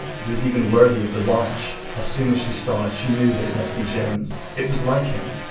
It was even worthy of The Watch. As soon as she saw it she knew that it must be Jim’s. It was like him.